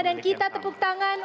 dan kita tepuk tangan